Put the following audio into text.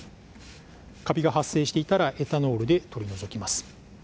カビが発生していたらエタノールで取り除いていきます。